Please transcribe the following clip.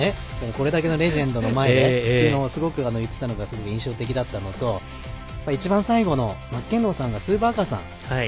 これだけのレジェンドの前でっていうのをすごく言っていたのが印象的だったのと一番最後のマッケンローさんやスー・バーカーさん